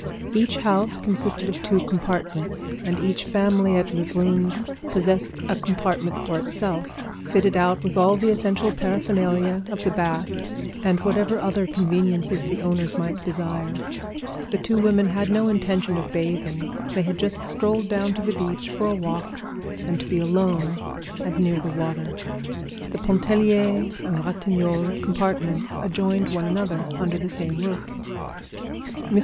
Each house consisted of two compartments, and each family at Lebrun's possessed a compartment for itself, fitted out with all the essential paraphernalia of the bath and whatever other conveniences the owners might desire. The two women had no intention of bathing; they had just strolled down to the beach for a walk and to be alone and near the water. The Pontellier and Ratignolle compartments adjoined one another under the same roof. Mrs.